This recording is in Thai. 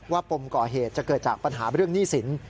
ปมก่อเหตุจะเกิดจากปัญหาเรื่องหนี้สิน